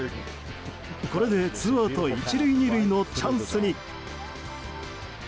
これでツーアウト１塁２塁のチャンスに。